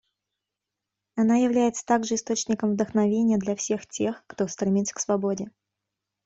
Она является также источником вдохновения для всех тех, кто стремится к свободе.